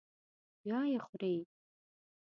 بیا یې خوري.